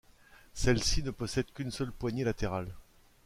Celle-ci ne possède qu'une seule poignée latérale.